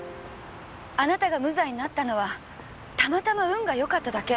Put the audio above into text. あなたが無罪になったのはたまたま運が良かっただけ。